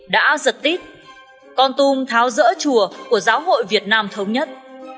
đã giật tít con tum tháo rỡ chùa của giáo hội việt nam thống nhất